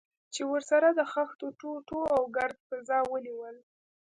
چې ورسره د خښتو ټوټو او ګرد فضا ونیول.